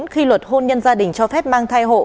khi luật hôn nhân gia đình cho phép mang thai hộ